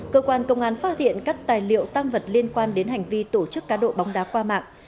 cơ quan công an phát hiện các tài liệu tam vật liên quan đến hành vi tổ chức cá độ bóng đá qua mạng